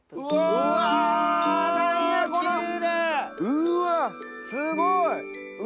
うわすごい！